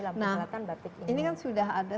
dalam menjalankan batik ini kan sudah ada